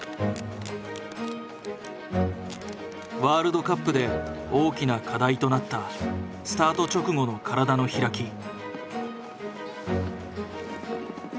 ワールドカップで大きな課題となったスタート直後の体の開き。